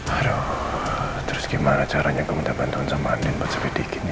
aduh terus gimana caranya aku minta bantuan sama andin buat sepedekinnya